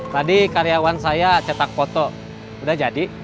tadi karyawan saya cetak foto udah jadi